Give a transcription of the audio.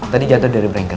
tadi jatuh dari brengker